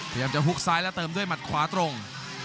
พยายามจะฮุกซ้ายและเติมด้วยหมัดขวาตรง